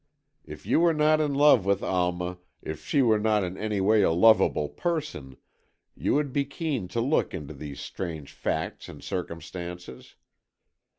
If you were not in love with Alma, if she were not in any way a lovable person, you would be keen to look into these strange facts and circumstances.